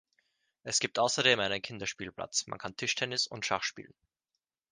Es gibt außerdem einen Kinderspielplatz, man kann Tischtennis und Schach spielen.